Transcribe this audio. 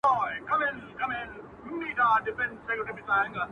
پال ډنبار خپل لومړنی شعر -